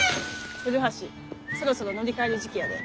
古橋そろそろ乗り換える時期やで。